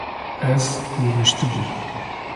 Ez rûniştibûm